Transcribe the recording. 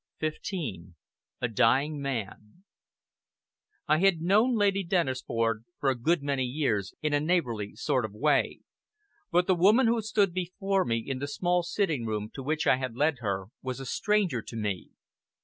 CHAPTER XV A DYING MAN I had known Lady Dennisford for a good many years in a neighborly sort of way; but the woman who stood before me in the small sitting room to which I had led her was a stranger to me.